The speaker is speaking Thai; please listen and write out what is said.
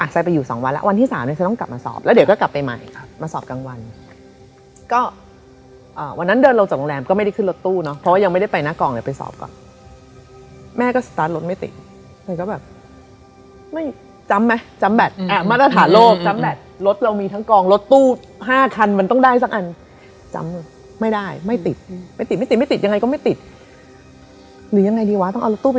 จริงก็ว่าอะไรอย่างนี้พี่อุ๋ยบอกแล้วมันบังเอิญว่า